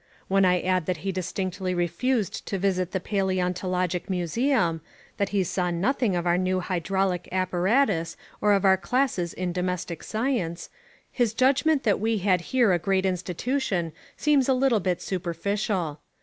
When I add that he distinctly refused to visit the Palaeontologic Museum, that he saw nothing of our new hydraulic apparatus, or of our classes in Domestic Science, his judgment that we had here a great institution seems a little bit superficial.